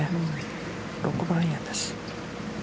６番アイアンです。